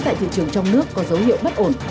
tại thị trường trong nước có dấu hiệu bất ổn